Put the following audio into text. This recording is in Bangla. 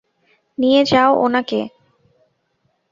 নিয়ে যাও ওনাকে।